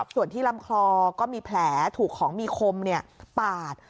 ส่วนที่ลำคอก็มีแผลถูกของมีคมปาด